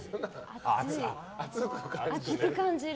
暑く感じる。